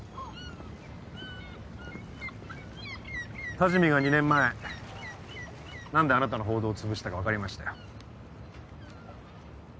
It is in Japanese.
多治見が２年前何であなたの報道をつぶしたか分かりましたよ。